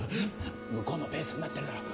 向こうのペースになってるだろ。